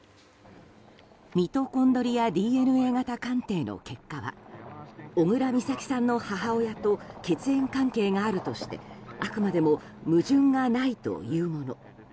ミトコンドリアＤＮＡ型鑑定の結果は小倉美咲さんの母親と血縁関係があるとしてあくまでも矛盾がないというもの。